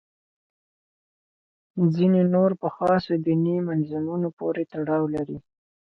ځینې نور په خاصو دیني منظومو پورې تړاو لري.